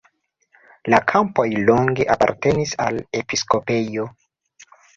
La kampoj longe apartenis al episkopejo.